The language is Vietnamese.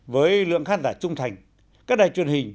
với lượng khán giả trung thành các đài truyền hình